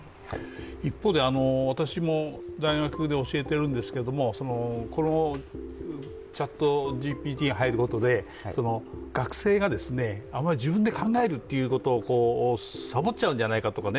一方で、私も大学で教えているんですけれども、このＣｈａｔＧＰＴが入ることで学生があまりあまり自分で考えることをさぼっちゃうんじゃないかとか